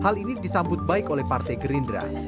hal ini disambut baik oleh partai gerindra